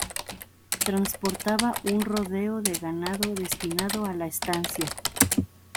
Transportaba un rodeo de ganado destinado a la estancia.